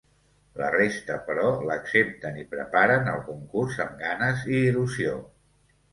La resta però, l'accepten i preparen el concurs amb ganes i il·lusió.